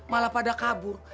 malah pada kabur